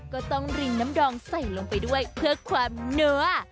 ก็ต้องริงน้ำดองใส่ลงไปด้วยเพื่อความเนื้อ